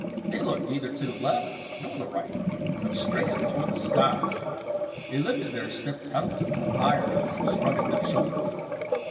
They looked neither to the left nor the right, but straight up toward the sky. They lifted their stiff petals a little higher as if shrugging their shoulders.